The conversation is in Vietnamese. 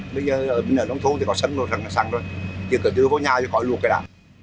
bây giờ mình ở nông thôn thì có sân rồi sân rồi chứ cứ chứ vô nhà rồi khỏi luộc cái đó